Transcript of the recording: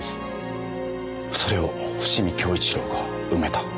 それを伏見享一良が埋めた。